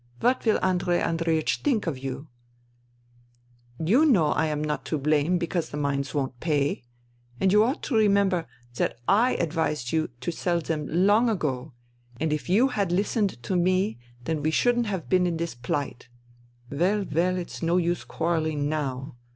What will Andrei Andreiech think of you ! You know I am not to blame because the mines won't pay. And you ought to remember that I advised you to sell them long ago, and if you had listened to me then we shouldn't have been in this phght. Well, well, it's no use quarrelling now.